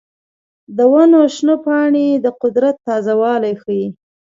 د ونو شنه پاڼې د قدرت تازه والی ښيي.